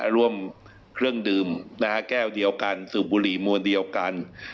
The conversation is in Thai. ร่วมเครื่องดื่มแก้วเดียวกันสูบบุหรี่มวลเดียวกัน